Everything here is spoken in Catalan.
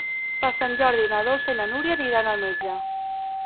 Per Sant Jordi na Dolça i na Núria aniran al metge.